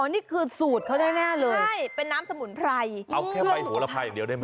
นี่คือสูตรเขาแน่เลยใช่เป็นน้ำสมุนไพรเอาแค่ใบโหระไพรอย่างเดียวได้ไหม